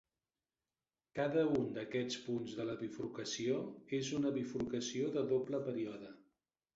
Cada un d'aquests punts de la bifurcació és una bifurcació de doble període.